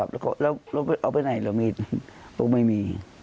แล้วเอาไปไหนแล้วมีดบอกไม่มี